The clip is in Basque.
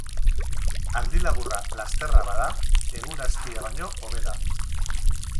Aldi laburra lasterra bada, egun astia baino hobe da.